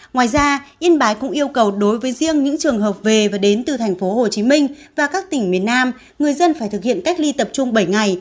ngoài ra yên bái cũng yêu cầu đối với riêng những trường hợp về và đến từ thành phố hồ chí minh và các tỉnh miền nam người dân phải thực hiện cách ly tập trung bảy ngày